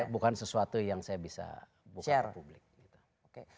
ya bukan sesuatu yang saya bisa share